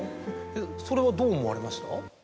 それはどう思われました？